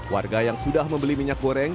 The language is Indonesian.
warga yang sudah membeli minyak goreng